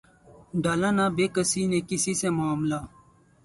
ڈالا نہ بیکسی نے کسی سے معاملہ